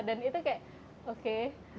dan itu kayak oke